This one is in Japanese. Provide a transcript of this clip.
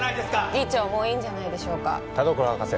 議長もういいんじゃないでしょうか田所博士